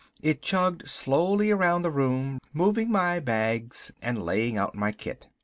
It chugged slowly around the room, moving my bags and laying out my kit.